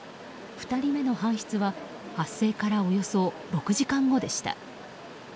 ２人目の搬出は発生からおよそ６時間後でした。